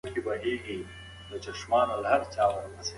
موږ په ټولنه کې یو بل سره اړیکې لرو.